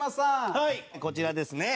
はいこちらですね。